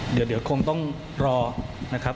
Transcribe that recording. เดี๋ยวคงต้องรอนะครับ